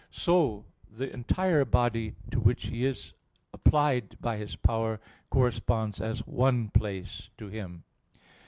So the entire body to which he is applied by his power, corresponds as one place to him.